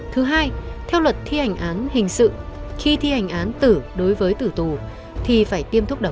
thứ hai theo luật thi hành án hình sự khi thi hành án tử đối với tử tù thì phải tiêm thuốc đặc